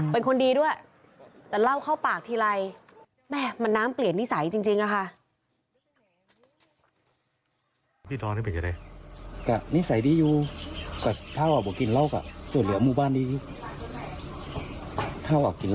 เป็นคนดีด้วยแต่เหล้าเข้าปากทีไร